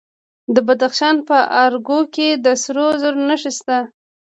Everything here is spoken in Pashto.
د بدخشان په ارګو کې د سرو زرو نښې شته.